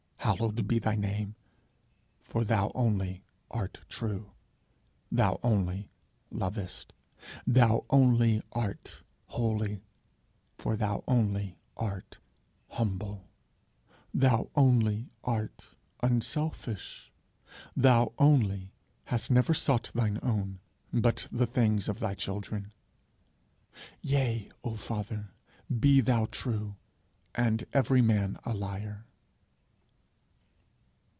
Hallowed be thy name, for thou only art true; thou only lovest; thou only art holy, for thou only art humble! Thou only art unselfish; thou only hast never sought thine own, but the things of thy children! Yea, O father, be thou true, and every man a liar!'